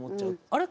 あれ？